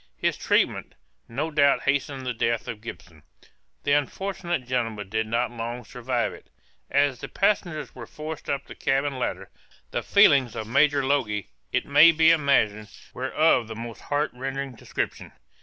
This treatment, no doubt hastened the death of Gibson; the unfortunate gentleman did not long survive it. As the passengers were forced up the cabin ladder, the feelings of Major Logie, it may be imagined, were of the most heart rending description.